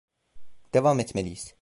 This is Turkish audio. Devam etmeliyiz.